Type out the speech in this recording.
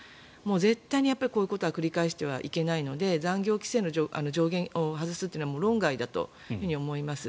絶対にこういうことは繰り返してはいけないので残業規制の上限を外すっていうのは論外だと思います。